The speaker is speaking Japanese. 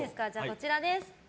こちらです。